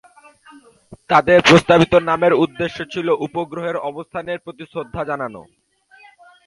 তাদের প্রস্তাবিত নামের উদ্দেশ্য ছিল "উপগ্রহের অবস্থানের প্রতি শ্রদ্ধা জানানো"।